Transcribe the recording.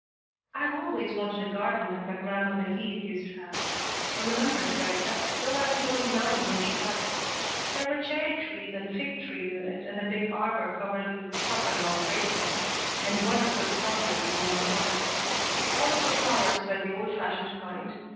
"I've always wanted a garden like my grandmother Heath used to have. I remember it very well, though I was only nine when she died. There were cherry trees and fig trees in it, and a big arbor covered with scuppernong grape vines, and wonderful strawberries in one corner. All of her flowers were the old fashioned kind.